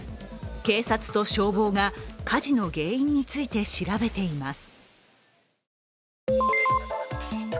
警察と消防が火事の原因について調べています。